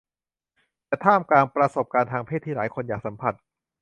แต่ท่ามกลางประสบการณ์ทางเพศที่หลายคนอยากสัมผัส